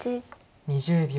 ２０秒。